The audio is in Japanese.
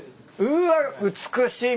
うわ美しい。